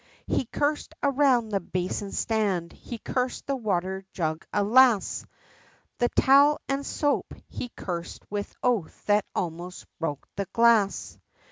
He cursed around the basin stand, he cursed the water jug, alas! The towel and the soap he cursed, with oath that almost broke the glass.